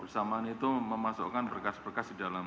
bersamaan itu memasukkan berkas berkas di dalam